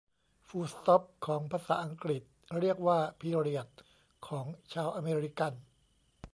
ฟูลสตอปของภาษาอังกฤษเรียกว่าพิเรียดของชาวอเมริกัน